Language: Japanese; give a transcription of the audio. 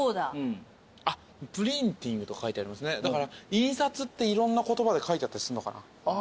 印刷っていろんな言葉で書いてあったりするのかな。